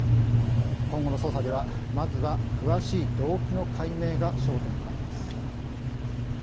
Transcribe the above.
今後の捜査では、まずは詳しい動機の解明が焦点となります。